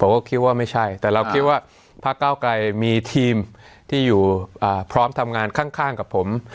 ผมก็คิดว่าไม่ใช่แต่เราคิดว่าพักเก้าไกรมีทีมที่อยู่พร้อมทำงานข้างกับผม